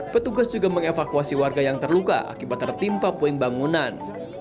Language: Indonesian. petugas juga mengevakuasi warga yang terluka akibat tertimpa poin bangunan